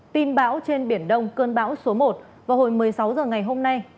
tin bão trên biển đông cơn bão số một vào hồi một mươi sáu h ngày hôm nay